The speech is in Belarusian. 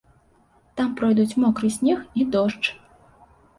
Там пройдуць мокры снег і дождж.